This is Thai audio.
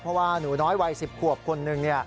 เพราะว่าหนูน้อยวัย๑๐ขวบคนหนึ่ง